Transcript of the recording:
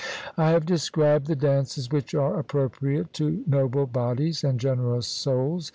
I have described the dances which are appropriate to noble bodies and generous souls.